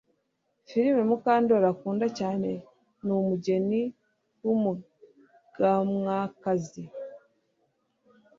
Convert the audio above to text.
Filime Mukandoli akunda cyane ni Umugeni wumuganwakazi